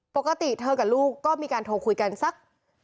ปกติเธอกับลูกก็มีการโทรคุยกันสัก